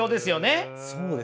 そうですね。